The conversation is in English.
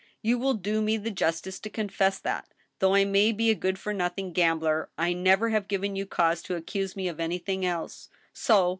... You will do me the justice to confess that, though I may be a good for nothing gambler, I never have given you cause to ac cuse me of anything else. So